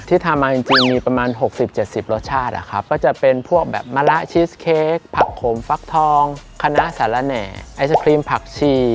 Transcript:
ทำมาจริงมีประมาณ๖๐๗๐รสชาติอะครับก็จะเป็นพวกแบบมะละชีสเค้กผักขมฟักทองคณะสารแหน่ไอศครีมผักชี